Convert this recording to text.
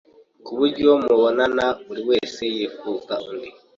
ku buryo mubonana buri wese yifuza undi.